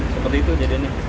seperti itu jadiannya